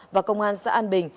và công an xã an bình